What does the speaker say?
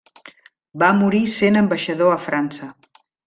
Va morir sent ambaixador a França.